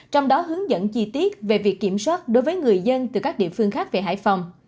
trong đó hướng dẫn chi tiết về việc kiểm soát đối với người dân từ các địa phương khác về hải phòng